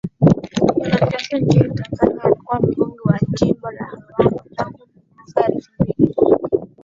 mwanasiasa nchini Tanzania Alikuwa mbunge wa jimbo la Ruangwa tangu mwaka elfu mbili na